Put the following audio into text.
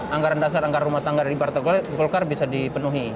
anggaran dasar anggaran rumah tangga dari partai golkar bisa dipenuhi